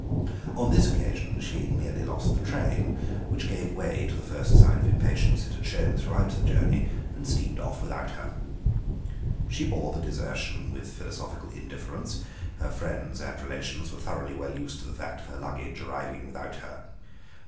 On this occasion she merely lost the train, which gave way to the first sign of impatience it had shown throughout the journey, and steamed off without her. She bore the desertion with philosophical indifference; her friends and relations were thoroughly well used to the fact of her luggage arriving without her.